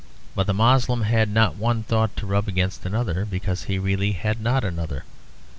But the Moslem had not one thought to rub against another, because he really had not another.